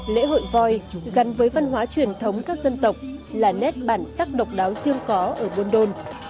lễ hội voi gắn với văn hóa truyền thống các dân tộc là nét bản sắc độc đáo riêng có ở buôn đôn